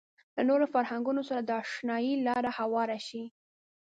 له نورو فرهنګونو سره د اشنايي لاره هواره شي.